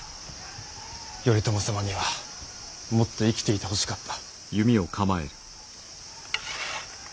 頼朝様にはもっと生きていてほしかった。